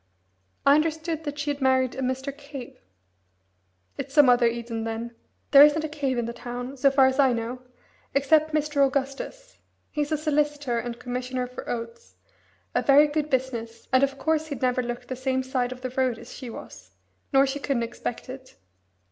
"I understood that she had married a Mr. Cave." "It's some other Eden, then. There isn't a Cave in the town, so far as I know, except Mr. Augustus; he's a solicitor and Commissioner for Oaths, a very good business, and of course he'd never look the same side of the road as she was, nor she couldn't expect it."